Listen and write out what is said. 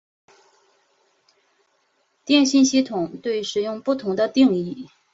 电信系统对使用不同的定义。